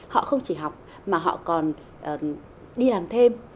họ không chỉ học mà họ còn đi làm thêm